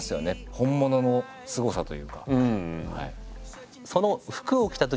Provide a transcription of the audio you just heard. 本物のすごさというか。